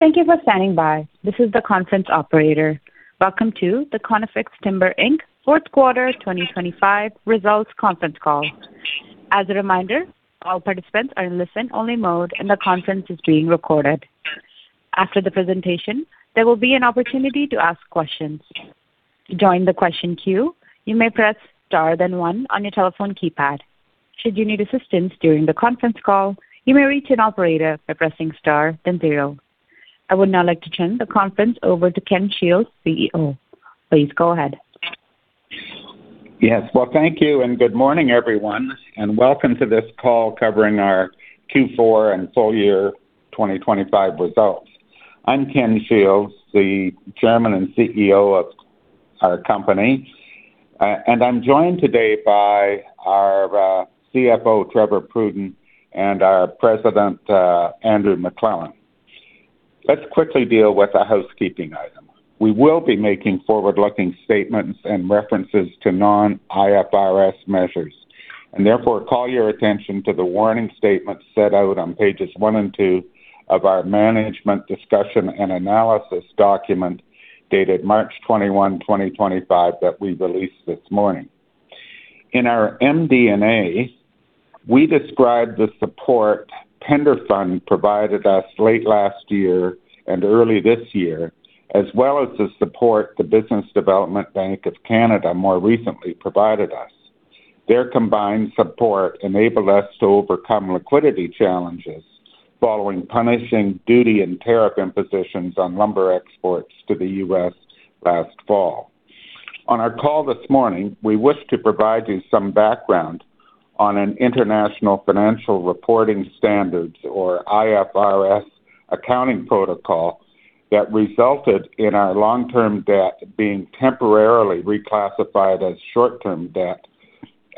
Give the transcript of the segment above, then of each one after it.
Thank you for standing by. This is the conference operator. Welcome to the Conifex Timber Inc. fourth quarter 2025 results conference call. As a reminder, all participants are in listen-only mode, and the conference is being recorded. After the presentation, there will be an opportunity to ask questions. To join the question queue, you may press Star then one on your telephone keypad. Should you need assistance during the conference call, you may reach an operator by pressing Star then zero. I would now like to turn the conference over to Ken Shields, CEO. Please go ahead. Yes. Well, thank you, and good morning, everyone, and welcome to this call covering our Q4 and full year 2025 results. I'm Ken Shields, the Chairman and CEO of our company, and I'm joined today by our CFO, Trevor Pruden, and our President, Andrew McLellan. Let's quickly deal with a housekeeping item. We will be making forward-looking statements and references to non-IFRS measures, and therefore call your attention to the warning statement set out on pages one and two of our management discussion and analysis document dated March 21, 2025, that we released this morning. In our MD&A, we describe the support PenderFund provided us late last year and early this year, as well as the support the Business Development Bank of Canada more recently provided us. Their combined support enabled us to overcome liquidity challenges following punishing duty and tariff impositions on lumber exports to the U.S. last fall. On our call this morning, we wish to provide you some background on an International Financial Reporting Standards (IFRS) accounting protocol that resulted in our long-term debt being temporarily reclassified as short-term debt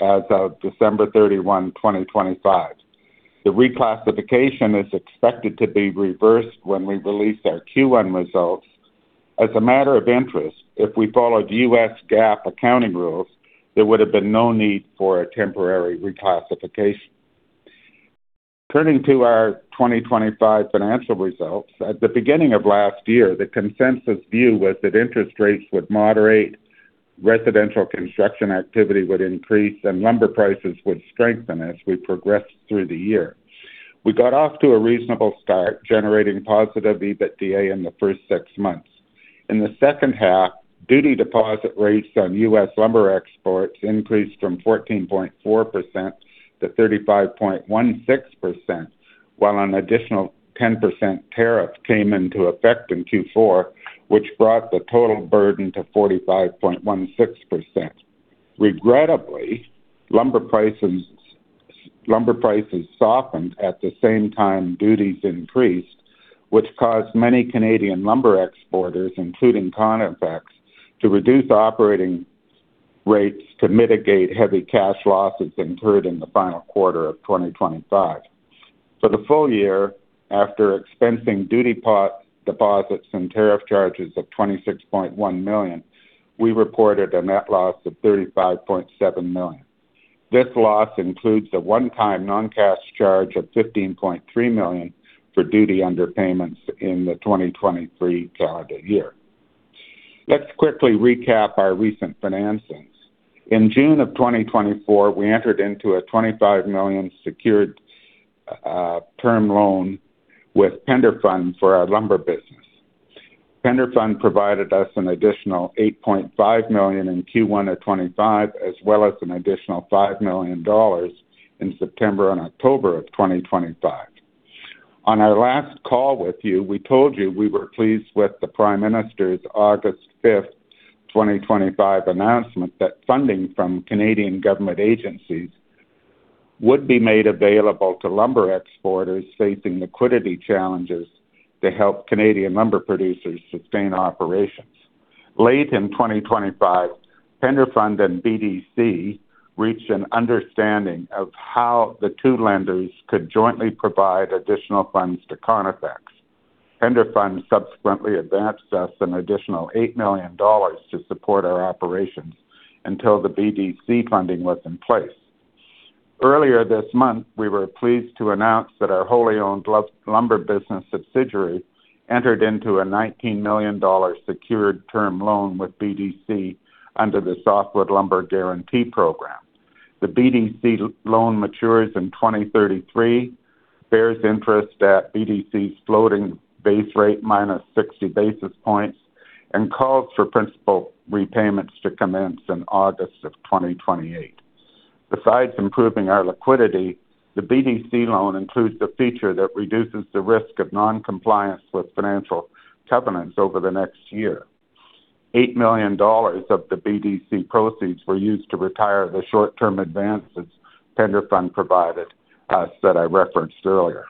as of December 31, 2025. The reclassification is expected to be reversed when we release our Q1 results. As a matter of interest, if we followed U.S. GAAP accounting rules, there would have been no need for a temporary reclassification. Turning to our 2025 financial results, at the beginning of last year, the consensus view was that interest rates would moderate, residential construction activity would increase, and lumber prices would strengthen as we progressed through the year. We got off to a reasonable start, generating positive EBITDA in the first six months. In the second half, duty deposit rates on U.S. lumber exports increased from 14.4% to 35.16%, while an additional 10% tariff came into effect in Q4, which brought the total burden to 45.16%. Regrettably, lumber prices softened at the same time duties increased, which caused many Canadian lumber exporters, including Conifex, to reduce operating rates to mitigate heavy cash losses incurred in the final quarter of 2025. For the full year, after expensing duty pre-deposits and tariff charges of 26.1 million, we reported a net loss of 35.7 million. This loss includes a one-time non-cash charge of 15.3 million for duty underpayments in the 2023 calendar year. Let's quickly recap our recent financings. In June of 2024, we entered into a 25 million secured term loan with PenderFund for our lumber business. PenderFund provided us an additional 8.5 million in Q1 of 2025, as well as an additional 5 million dollars in September and October of 2025. On our last call with you, we told you we were pleased with the Prime Minister's August 5, 2025 announcement that funding from Canadian government agencies would be made available to lumber exporters facing liquidity challenges to help Canadian lumber producers sustain operations. Late in 2025, PenderFund and BDC reached an understanding of how the two lenders could jointly provide additional funds to Conifex. PenderFund subsequently advanced us an additional 8 million dollars to support our operations until the BDC funding was in place. Earlier this month, we were pleased to announce that our wholly-owned lumber business subsidiary entered into a 19 million dollar secured term loan with BDC under the Softwood Lumber Guarantee Program. The BDC loan matures in 2033, bears interest at BDC's floating base rate minus 60 basis points and calls for principal repayments to commence in August 2028. Besides improving our liquidity, the BDC loan includes a feature that reduces the risk of non-compliance with financial covenants over the next year. 8 million dollars of the BDC proceeds were used to retire the short-term advances PenderFund provided us that I referenced earlier.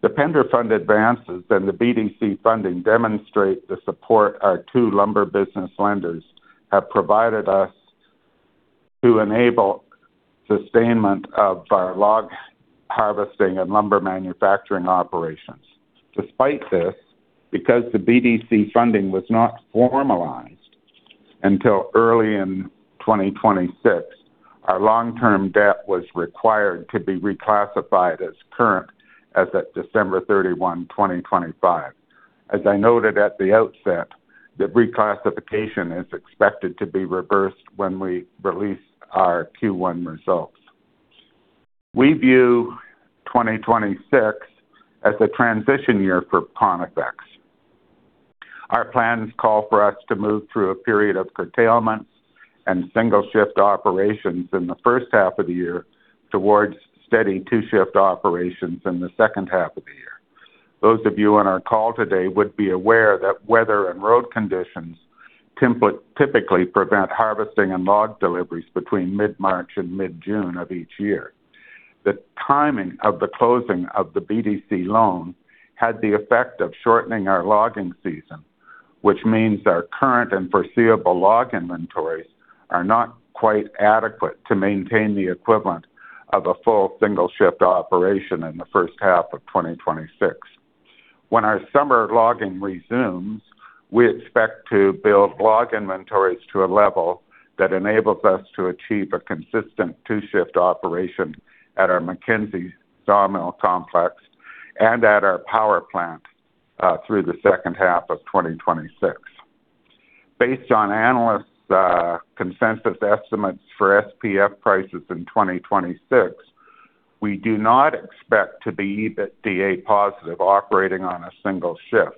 The PenderFund advances and the BDC funding demonstrate the support our two lumber business lenders have provided us to enable the sustainment of our log harvesting and lumber manufacturing operations. Despite this, because the BDC funding was not formalized until early in 2026, our long-term debt was required to be reclassified as current as at December 31, 2025. As I noted at the outset, the reclassification is expected to be reversed when we release our Q1 results. We view 2026 as a transition year for Conifex. Our plans call for us to move through a period of curtailment and single shift operations in the first half of the year, towards steady two-shift operations in the second half of the year. Those of you on our call today would be aware that weather and road conditions typically prevent harvesting and log deliveries between mid-March and mid-June of each year. The timing of the closing of the BDC loan had the effect of shortening our logging season, which means our current and foreseeable log inventories are not quite adequate to maintain the equivalent of a full single shift operation in the first half of 2026. When our summer logging resumes, we expect to build log inventories to a level that enables us to achieve a consistent two-shift operation at our Mackenzie sawmill complex and at our power plant through the second half of 2026. Based on analysts' consensus estimates for SPF prices in 2026, we do not expect to be EBITDA positive operating on a single shift.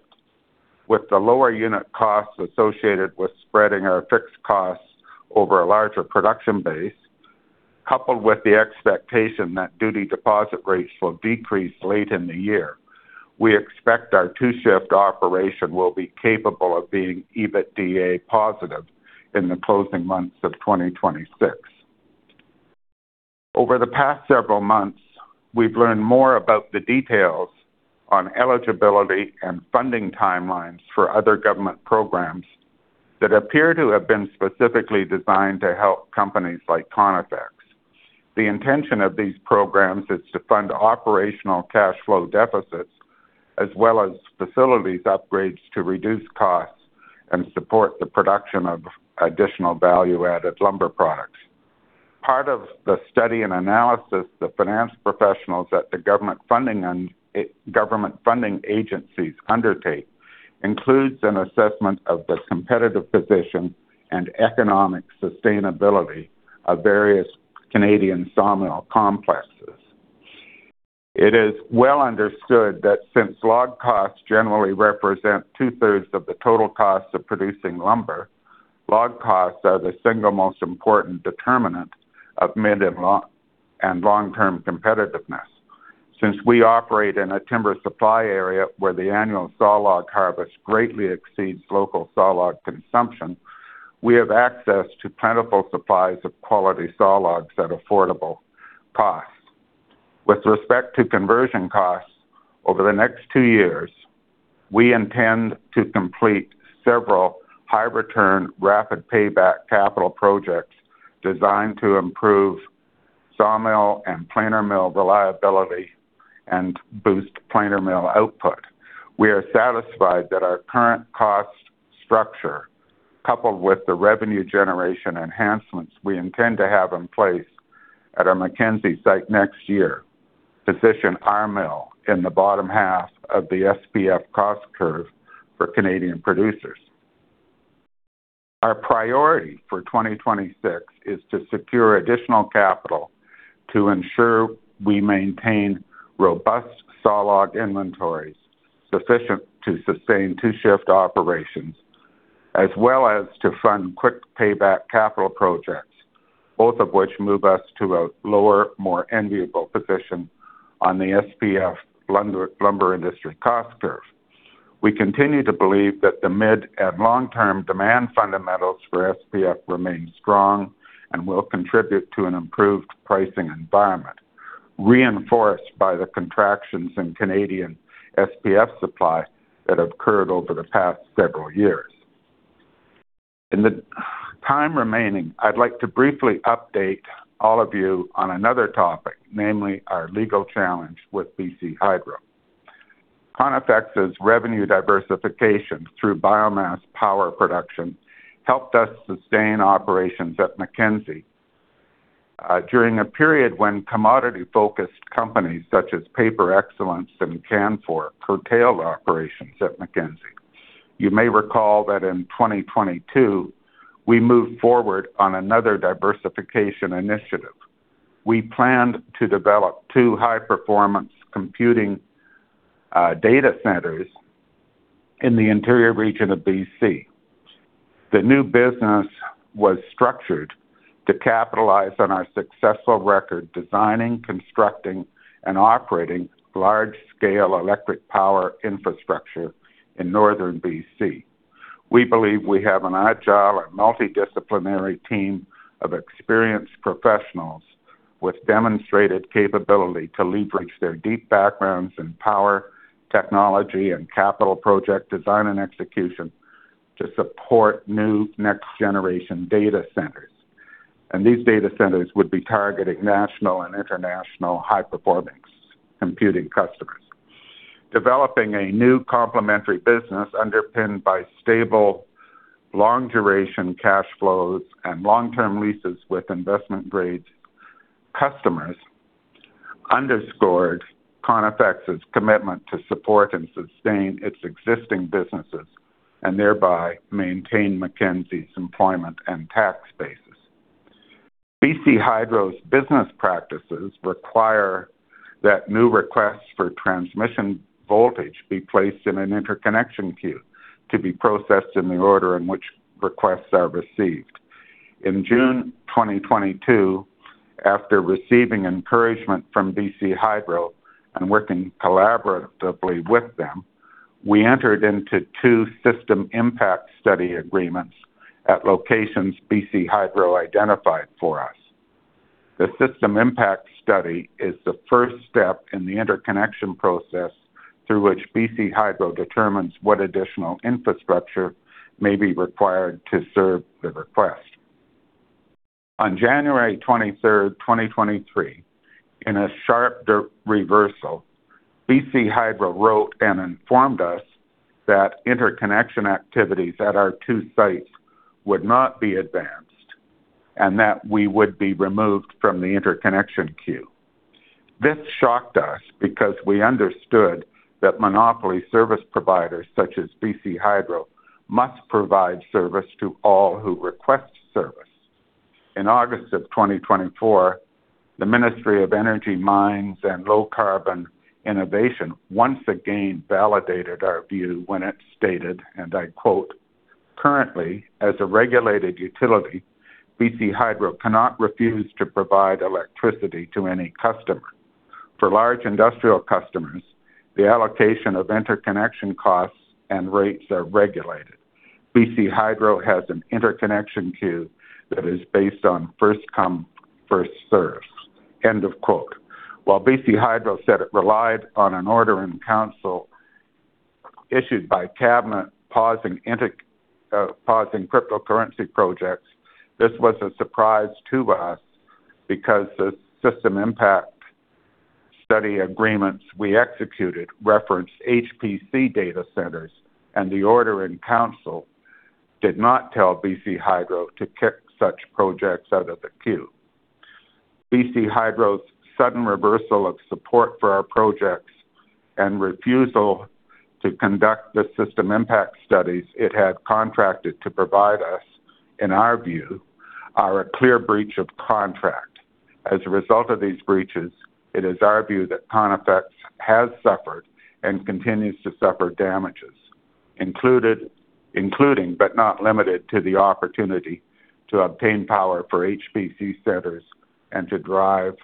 With the lower unit costs associated with spreading our fixed costs over a larger production base, coupled with the expectation that duty deposit rates will decrease late in the year, we expect our two-shift operation will be capable of being EBITDA positive in the closing months of 2026. Over the past several months, we've learned more about the details on eligibility and funding timelines for other government programs that appear to have been specifically designed to help companies like Conifex. The intention of these programs is to fund operational cash flow deficits, as well as facilities upgrades to reduce costs and support the production of additional value-added lumber products. Part of the study and analysis the finance professionals at the government funding and government funding agencies undertake includes an assessment of the competitive position and economic sustainability of various Canadian sawmill complexes. It is well understood that since log costs generally represent two-thirds of the total cost of producing lumber, log costs are the single most important determinant of mid- and long-term competitiveness. Since we operate in a timber supply area where the annual sawlog harvest greatly exceeds local sawlog consumption, we have access to plentiful supplies of quality sawlogs at affordable costs. With respect to conversion costs, over the next two years, we intend to complete several high-return, rapid-payback capital projects designed to improve sawmill and planer mill reliability and boost planer mill output. We are satisfied that our current cost structure, coupled with the revenue generation enhancements we intend to have in place at our Mackenzie site next year, positions our mill in the bottom half of the SPF cost curve for Canadian producers. Our priority for 2026 is to secure additional capital to ensure we maintain robust sawlog inventories sufficient to sustain two-shift operations, as well as to fund quick payback capital projects, both of which move us to a lower, more enviable position on the SPF lumber industry cost curve. We continue to believe that the mid- and long-term demand fundamentals for SPF remain strong and will contribute to an improved pricing environment, reinforced by the contractions in Canadian SPF supply that occurred over the past several years. In the time remaining, I'd like to briefly update all of you on another topic, namely our legal challenge with BC Hydro. Conifex's revenue diversification through biomass power production helped us sustain operations at Mackenzie, during a period when commodity-focused companies such as Paper Excellence and Canfor curtailed operations at Mackenzie. You may recall that in 2022, we moved forward on another diversification initiative. We planned to develop two high-performance computing data centers in the interior region of BC. The new business was structured to capitalize on our successful record designing, constructing, and operating large-scale electric power infrastructure in northern BC. We believe we have an agile and multidisciplinary team of experienced professionals with demonstrated capability to leverage their deep backgrounds in power technology and capital project design and execution to support new next-generation data centers. These data centers would be targeting national and international high-performance computing customers. Developing a new complementary business underpinned by stable, long duration cash flows and long-term leases with investment-grade customers underscored Conifex's commitment to support and sustain its existing businesses and thereby maintain Mackenzie's employment and tax bases. BC Hydro's business practices require that new requests for transmission voltage be placed in an interconnection queue to be processed in the order in which requests are received. In June 2022, after receiving encouragement from BC Hydro and working collaboratively with them, we entered into two system impact study agreements at locations BC Hydro identified for us. The system impact study is the first step in the interconnection process through which BC Hydro determines what additional infrastructure may be required to serve the request. On January 23, 2023, in a sharp reversal, BC Hydro wrote and informed us that interconnection activities at our two sites would not be advanced and that we would be removed from the interconnection queue. This shocked us because we understood that monopoly service providers such as BC Hydro must provide service to all who request service. In August of 2024, the Ministry of Energy, Mines and Low Carbon Innovation once again validated our view when it stated, and I quote, "Currently, as a regulated utility, BC Hydro cannot refuse to provide electricity to any customer. For large industrial customers, the allocation of interconnection costs and rates are regulated. BC Hydro has an interconnection queue that is based on first come, first served." End of quote. While BC Hydro said it relied on an order in council issued by Cabinet pausing cryptocurrency projects, this was a surprise to us because the system impact study agreements we executed referenced HPC data centers, and the order in council did not tell BC Hydro to kick such projects out of the queue. BC Hydro's sudden reversal of support for our projects and refusal to conduct the system impact studies it had contracted to provide us, in our view, are a clear breach of contract. As a result of these breaches, it is our view that Conifex has suffered and continues to suffer damages, including, but not limited to the opportunity to obtain power for HPC centers and to drive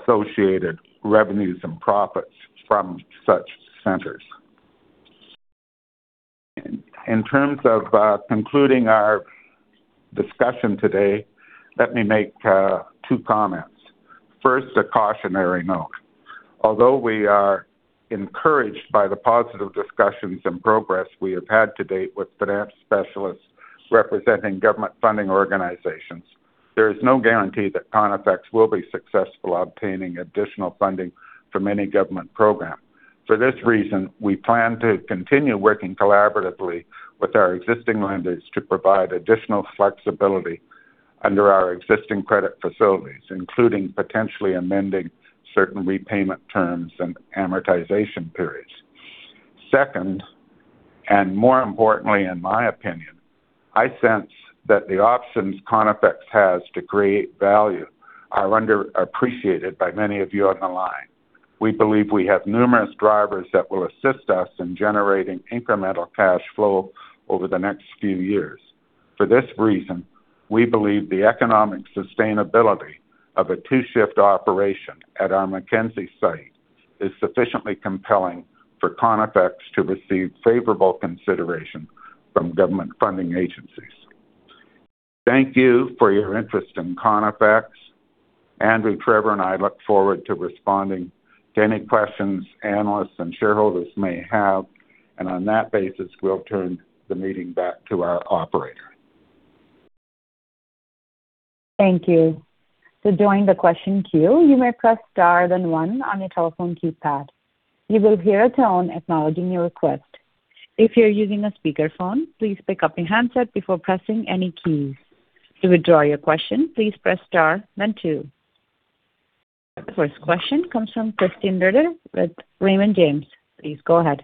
associated revenues and profits from such centers. In terms of concluding our discussion today, let me make two comments. First, a cautionary note. Although we are encouraged by the positive discussions and progress we have had to date with finance specialists representing government funding organizations, there is no guarantee that Conifex will be successful obtaining additional funding from any government program. For this reason, we plan to continue working collaboratively with our existing lenders to provide additional flexibility under our existing credit facilities, including potentially amending certain repayment terms and amortization periods. Second, and more importantly in my opinion, I sense that the options Conifex has to create value are underappreciated by many of you on the line. We believe we have numerous drivers that will assist us in generating incremental cash flow over the next few years. For this reason, we believe the economic sustainability of a two-shift operation at our Mackenzie site is sufficiently compelling for Conifex to receive favorable consideration from government funding agencies. Thank you for your interest in Conifex. Andrew, Trevor, and I look forward to responding to any questions analysts and shareholders may have. On that basis, we'll turn the meeting back to our operator. Thank you. To join the question queue, you may press Star then one on your telephone keypad. You will hear a tone acknowledging your request. If you're using a speakerphone, please pick up your handset before pressing any keys. To withdraw your question, please press Star then two. The first question comes from Christian Dreher with Raymond James. Please go ahead.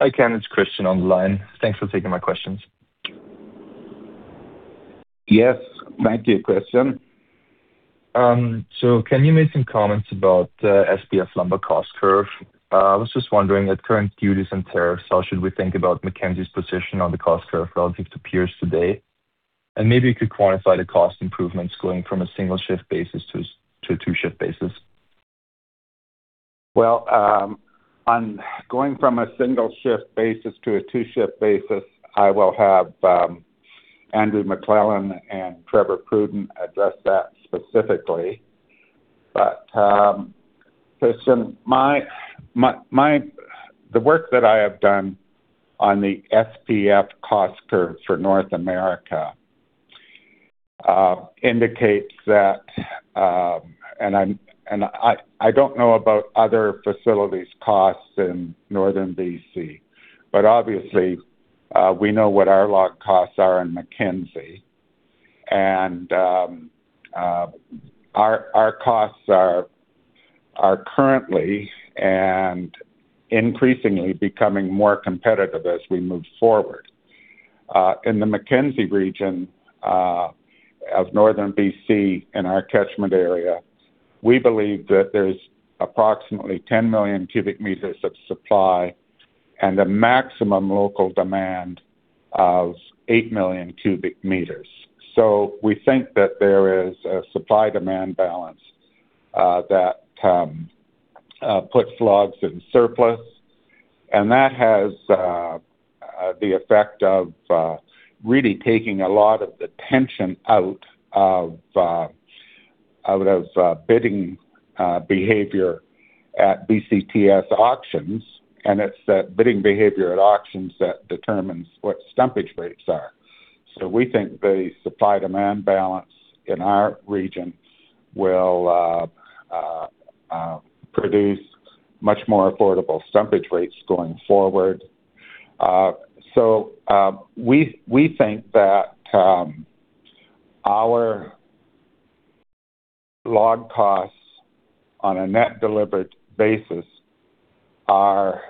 Hi, Ken. It's Christian on the line. Thanks for taking my questions. Yes. Thank you, Christian. Can you make some comments about SPF lumber cost curve? I was just wondering at current duties and tariffs, how should we think about Mackenzie's position on the cost curve relative to peers today? Maybe you could quantify the cost improvements going from a single-shift basis to a two-shift basis. Well, on going from a single-shift basis to a two-shift basis, I will have Andrew McLellan and Trevor Pruden address that specifically. Christian, the work that I have done on the SPF cost curve for North America indicates that, and I don't know about other facilities costs in northern BC, but obviously, we know what our log costs are in Mackenzie. Our costs are currently and increasingly becoming more competitive as we move forward. In the Mackenzie region of northern BC in our catchment area, we believe that there's approximately 10 million cubic meters of supply and a maximum local demand of 8 million cubic meters. We think that there is a supply-demand balance that puts logs in surplus. That has the effect of really taking a lot of the tension out of bidding behavior at BCTS auctions. It's that bidding behavior at auctions that determines what stumpage rates are. We think the supply-demand balance in our region will produce much more affordable stumpage rates going forward. We think that our log costs on a net delivered basis are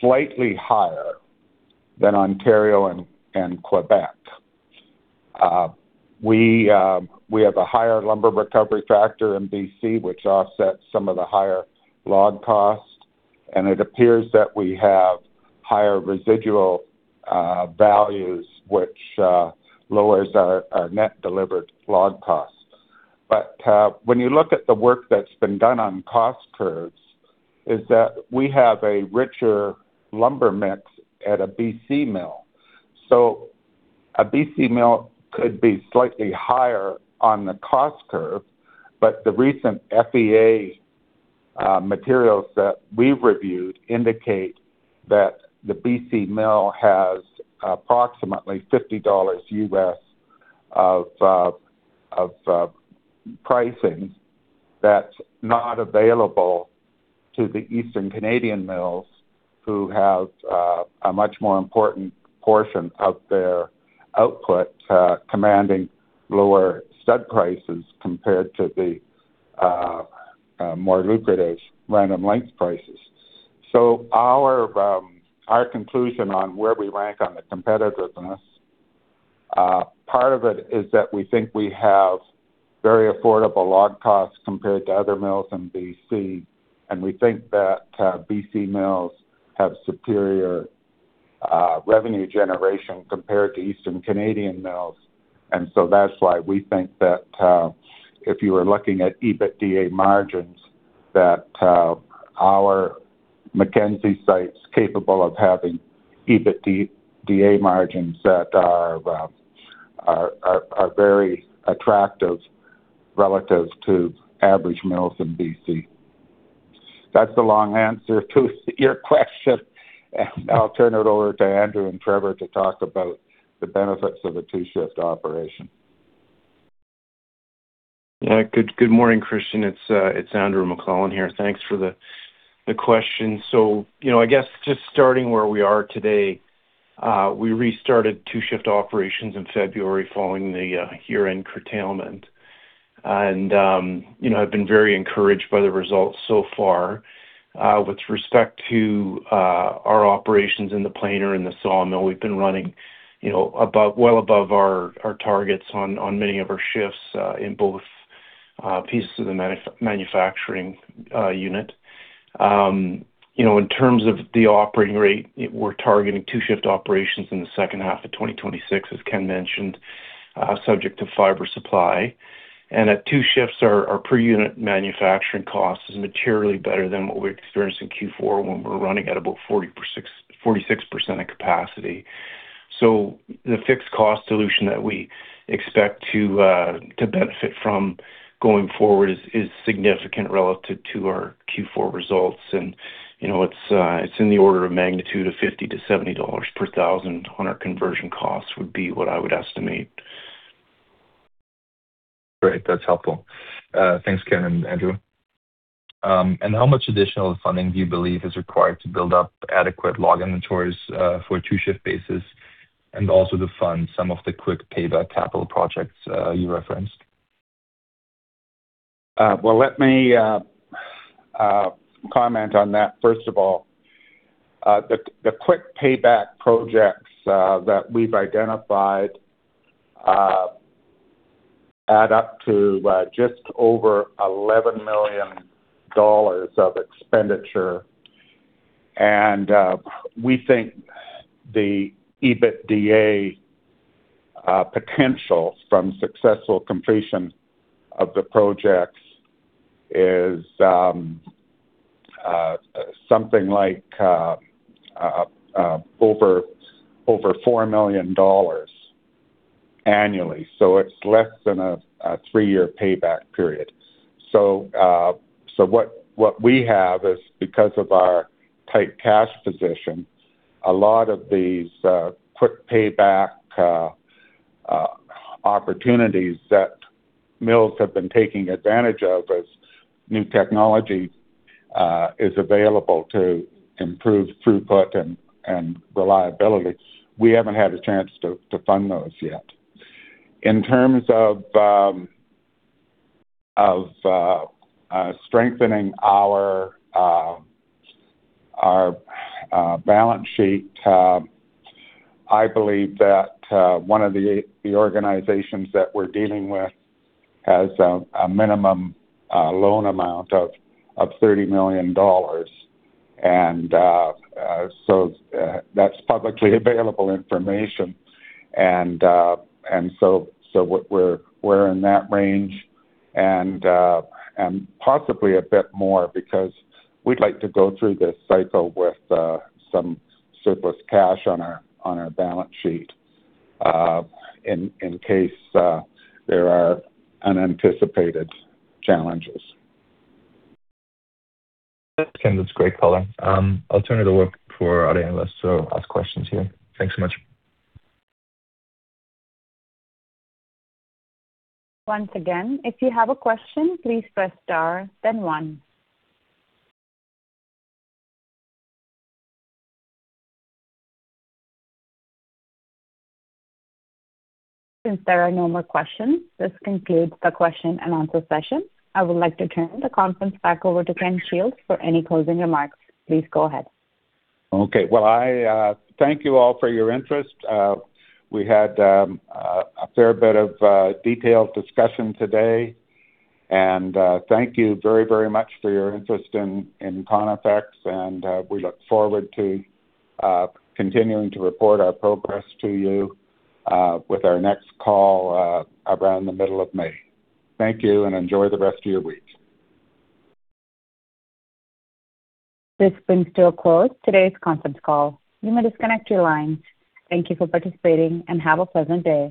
slightly higher than Ontario and Quebec. We have a higher lumber recovery factor in BC, which offsets some of the higher log costs, and it appears that we have higher residual values, which lower our net delivered log costs. When you look at the work that's been done on cost curves, is that we have a richer lumber mix at a BC mill. A BC mill could be slightly higher on the cost curve, but the recent FEA materials that we've reviewed indicate that the BC mill has approximately $50 of pricing that's not available to the Eastern Canadian mills, who have a much more important portion of their output commanding lower stud prices compared to the more lucrative random length prices. Our conclusion on where we rank on the competitiveness part of it is that we think we have very affordable log costs compared to other mills in BC, and we think that BC mills have superior revenue generation compared to Eastern Canadian mills. That's why we think that, if you were looking at EBITDA margins, our Mackenzie site is capable of having EBITDA margins that are very attractive relative to average mills in BC. That's the long answer to your question, and I'll turn it over to Andrew and Trevor to talk about the benefits of a two-shift operation. Good morning, Christian. It's Andrew McLellan here. Thanks for the question. You know, I guess just starting where we are today, we restarted two-shift operations in February following the year-end curtailment. You know, I've been very encouraged by the results so far. With respect to our operations in the planer and the sawmill, we've been running, you know, well above our targets on many of our shifts in both pieces of the manufacturing unit. You know, in terms of the operating rate, we're targeting two-shift operations in the second half of 2026, as Ken mentioned, subject to fiber supply. At two shifts, our per-unit manufacturing cost is materially better than what we experienced in Q4 when we were running at about 46% of capacity. The fixed cost solution that we expect to benefit from going forward is significant relative to our Q4 results. You know, it's in the order of magnitude of $50-$70 per thousand on our conversion costs, which would be what I would estimate. Great. That's helpful. Thanks, Ken and Andrew. How much additional funding do you believe is required to build up adequate log inventories for a two-shift basis, and also to fund some of the quick-payback capital projects you referenced? Well, let me comment on that first of all. The quick payback projects that we've identified add up to just over 11 million dollars of expenditure. We think the EBITDA potential from successful completion of the projects is something like over 4 million dollars annually. It's less than a three-year payback period. What we have is, because of our tight cash position, a lot of these quick-payback opportunities that mills have been taking advantage of as new technology is available to improve throughput and reliability. We haven't had a chance to fund those yet. In terms of strengthening our balance sheet, I believe that one of the organizations that we're dealing with has a minimum loan amount of 30 million dollars. That's publicly available information. We're in that range and possibly a bit more because we'd like to go through this cycle with some surplus cash on our balance sheet in case there are unanticipated challenges. Ken, that's a great color. I'll turn it over for our analysts to ask questions here. Thanks so much. Once again, if you have a question, please press star then one. Since there are no more questions, this concludes the question and answer session. I would like to turn the conference back over to Ken Shields for any closing remarks. Please go ahead. Okay. Well, I thank you all for your interest. We had a fair bit of detailed discussion today. Thank you very, very much for your interest in Conifex. We look forward to continuing to report our progress to you with our next call around the middle of May. Thank you, and enjoy the rest of your week. This brings to a close today's conference call. You may disconnect your lines. Thank you for participating, and have a pleasant day.